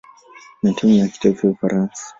na timu ya kitaifa ya Ufaransa.